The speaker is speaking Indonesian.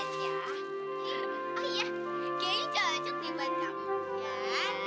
oh iya kayaknya ini cocok dibuat kamu